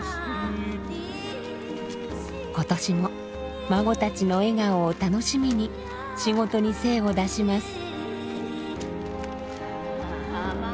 今年も孫たちの笑顔を楽しみに仕事に精を出します。